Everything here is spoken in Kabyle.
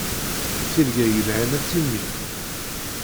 Tirga yelhan a Timmy.